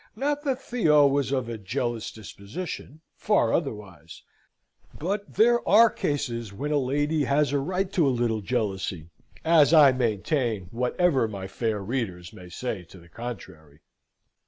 Not that Theo was of a jealous disposition, far otherwise; but there are cases when a lady has a right to a little jealousy, as I maintain, whatever my fair readers may say to the contrary.